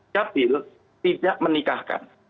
capil tidak menikahkan